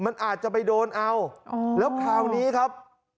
มันอาจจะไปโดนเอาแล้วคราวนี้ครับ